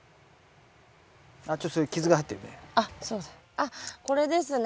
あっこれですね。